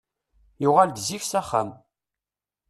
Yuɣal-d zik s axxam.